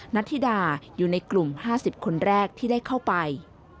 นัทธิดาอยู่ในกลุ่ม๕๐คนแรกที่ได้เข้าไป